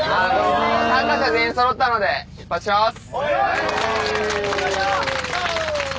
参加者全員そろったので出発します